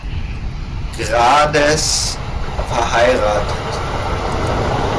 Grades, verheiratet.